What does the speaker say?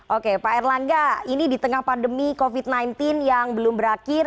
oke pak erlangga ini di tengah pandemi covid sembilan belas yang belum berakhir